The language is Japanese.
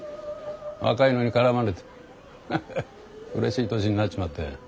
若いのに絡まれてハハッうれしい年になっちまったよ。